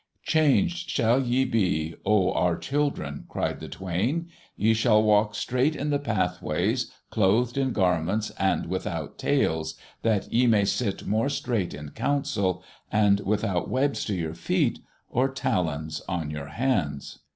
"Changed shall ye be, oh our children," cried the Twain. "Ye shall walk straight in the pathways, clothed in garments, and without tails, that ye may sit more straight in council, and without webs to your feet, or talons on your hands."